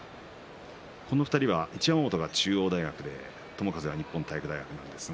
この２人は一山本が中央大学友風が日本体育大学です。